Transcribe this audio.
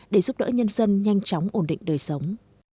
để giúp đỡ nhân dân nhanh chóng ổn định đời sống